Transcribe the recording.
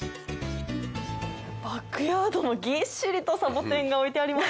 バックヤードもぎっしりとサボテンが置いてありますね。